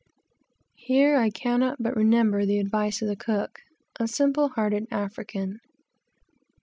Here I cannot but remember the advice of the cook, a simple hearted African.